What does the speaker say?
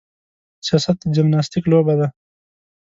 سیاست د جمناستیک لوبه ده.